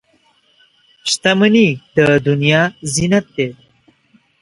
• شتمني د دنیا زینت دی.